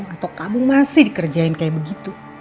atau kamu masih dikerjain kayak begitu